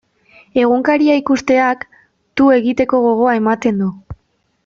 Egunkaria ikusteak tu egiteko gogoa ematen du.